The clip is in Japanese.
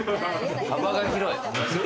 幅が広い。